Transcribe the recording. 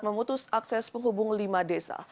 memutus akses penghubung lima desa